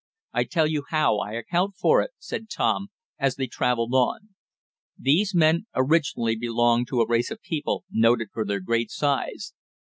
"I tell you how I account for it," said Tom, as they traveled on. "These men originally belonged to a race of people noted for their great size.